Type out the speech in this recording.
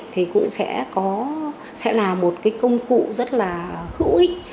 thì cũng sẽ là một cái công cụ rất là hữu ích